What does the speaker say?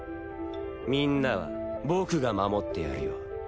みんなは僕が守ってやるよ。